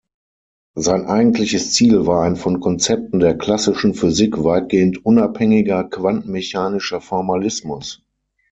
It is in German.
Sein eigentliches Ziel war ein von Konzepten der klassischen Physik weitgehend unabhängiger quantenmechanischer Formalismus.